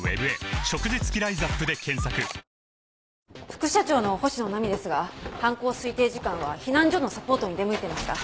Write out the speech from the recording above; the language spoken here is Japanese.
副社長の星野菜美ですが犯行推定時間は避難所のサポートに出向いてました。